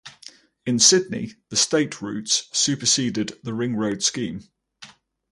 In Sydney the State Routes superseded the Ring Road scheme.